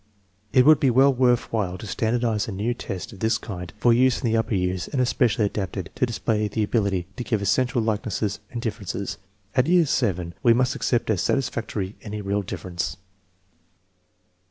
It would be well worth while to standardize a new test of this kind for use in the upper years and especially adapted to display the ability to give essential likenesses and dif TEST NO. VII, 5 203 ferences. At year VII we must accept as satisfactory any real difference.